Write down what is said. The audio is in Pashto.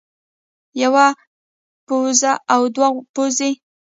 يوه پوزه او دوه پوزې